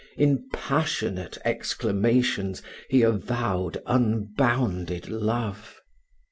In passionate exclamations he avowed unbounded love.